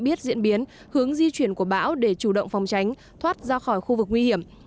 biết diễn biến hướng di chuyển của bão để chủ động phòng tránh thoát ra khỏi khu vực nguy hiểm